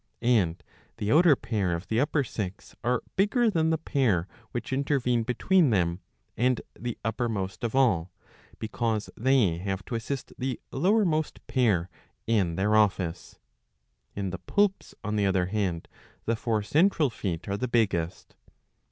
And the outer pair of the upper six are bigger than the pair which intervene between them and the uppermost of all, because they have to assist the lowermost pair in their office. In the Poulps, on the other hand, the four central feet are the biggest.